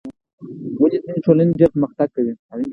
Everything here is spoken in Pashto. ولې ځینې ټولنې ډېر پرمختګ کوي؟